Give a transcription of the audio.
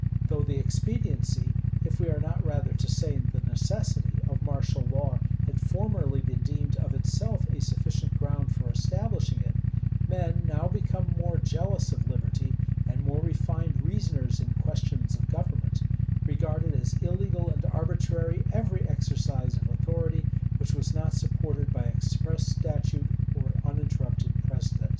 [v*] Though the expediency, if we are not rather to say the necessity, of martial law had formerly been deemed of itself a sufficient ground for establishing it, men, now become more jealous of liberty, and more refined reasoners in questions of government, regarded as illegal and arbitrary every exercise of authority which was not supported by express statute or uninterrupted precedent.